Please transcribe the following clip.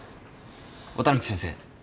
綿貫先生